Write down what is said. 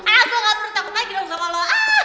ah gue gak mau bertanggung tanggung sama lo